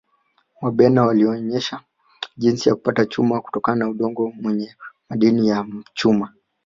wabena walionesha jinsi ya kupata chuma kutokana na udongo wenye madini ya chuma